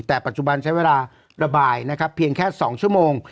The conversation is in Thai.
แต่ปัจจุบันใช้เวลาระบายนะครับเพียงแค่๒ชั่วโมง